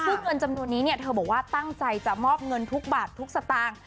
ซึ่งเงินจำนวนนี้เนี่ยเธอบอกว่าตั้งใจจะมอบเงินทุกบาททุกสตางค์